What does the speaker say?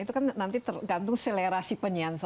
itu kan nanti tergantung selerasi penyian